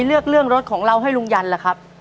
เลือกเรื่องรถของเราให้ลุงยันล่ะครับ